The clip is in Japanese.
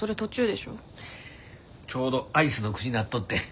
ちょうどアイスの口になっとってん。